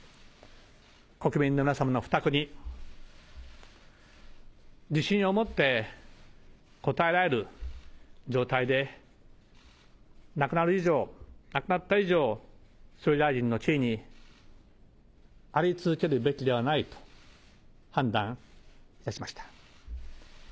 国民の皆様の負託に自信を持って応えられる状態でなくなる以上、なくなった以上、総理大臣の地位にあり続けるべきではないと判断いたしました。